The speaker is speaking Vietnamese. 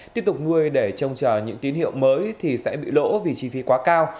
tiếp tục nuôi để trông chờ những tín hiệu mới thì sẽ bị lỗ vì chi phí quá cao